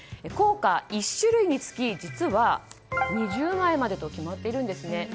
硬貨１種類につき実は２０枚までと決まっているんですね。